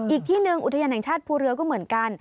อีกที่หนึ่งอุทยานแห่งชาติภูเรือก็เหมือนกัน